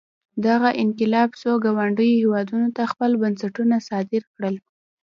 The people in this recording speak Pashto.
دغه انقلاب څو ګاونډیو هېوادونو ته خپل بنسټونه صادر کړل.